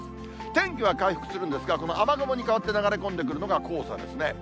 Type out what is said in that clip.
天気は回復するんですが、この雨雲に変わって流れ込んでくるのが黄砂ですね。